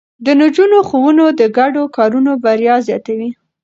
د نجونو ښوونه د ګډو کارونو بريا زياتوي.